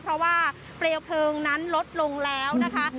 เพราะว่าเปลวเพลิงนั้นลดลงแล้วนะคะ